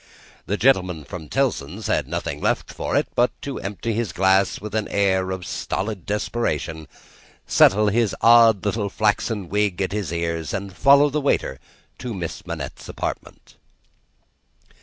The gentleman from Tellson's had nothing left for it but to empty his glass with an air of stolid desperation, settle his odd little flaxen wig at the ears, and follow the waiter to Miss Manette's apartment.